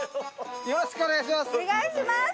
よろしくお願いします。